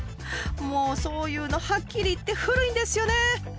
もうそういうのはっきり言って古いんですよね！